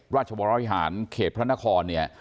ราชวรรภิษฐ์โขกเนคอนเนี้ย